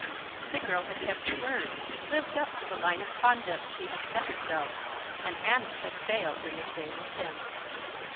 The girl had kept her word, lived up to the line of conduct she had set herself; and Anna had failed in the same attempt.